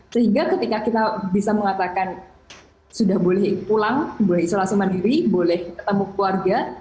sehingga ketika kita bisa mengatakan sudah boleh pulang boleh isolasi mandiri boleh ketemu keluarga